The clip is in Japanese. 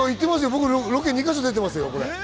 ロケ、２か所出てます。